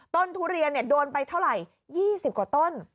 ทุเรียนโดนไปเท่าไหร่๒๐กว่าต้น